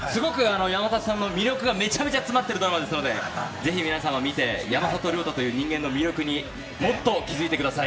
山里さんの魅力がめちゃくちゃ詰まってるドラマですので、ぜひ皆さま見て、山里亮太という人間の魅力にもっと気づいてください。